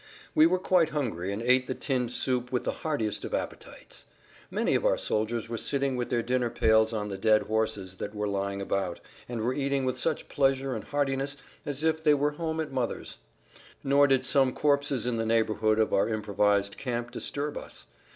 We were quite hungry and ate the tinned soup with the heartiest of appetites. Many of our soldiers were sitting with their dinner pails on the dead horses that were lying about, and were eating with such pleasure and heartiness as if they were home at mother's. Nor did some corpses in the neighborhood of our improvised camp disturb us.